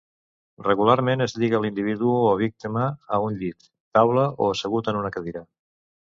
Regularment es lliga l'individu o víctima a un llit, taula o assegut en una cadira.